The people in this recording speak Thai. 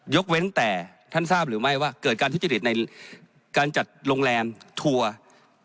เว้นแต่ท่านทราบหรือไม่ว่าเกิดการทุจริตในการจัดโรงแรมทัวร์